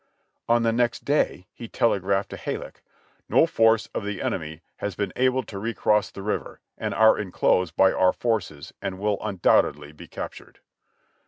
On the next day he telegraphed to Halleck : "No force of the enemy has been able to recross the river, and are enclosed by our forces and will undoubtedly be captured."